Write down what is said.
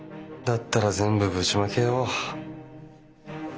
だったら全部ぶちまけよう。